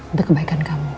untuk kebaikan kamu